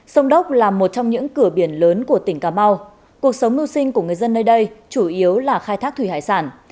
sông đốc là một trong những cửa biển lớn của tỉnh cà mau cuộc sống mưu sinh của người dân nơi đây chủ yếu là khai thác thủy hải sản